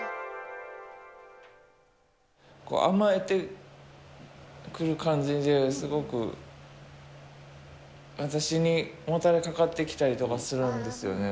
甘えてくる感じで、すごく私にもたれかかってきたりするんですよね。